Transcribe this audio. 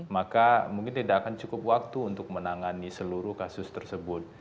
maka mungkin tidak akan cukup waktu untuk menangani seluruh kasus tersebut